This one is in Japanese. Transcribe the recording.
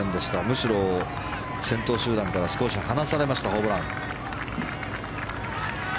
むしろ先頭集団から少し離されましたホブラン。